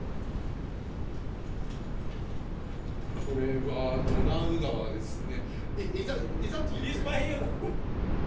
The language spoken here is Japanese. これがドナウ川ですね。